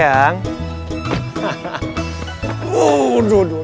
satu satu tujuh dua